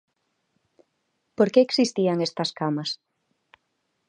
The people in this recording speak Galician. ¿Por que existían estas camas?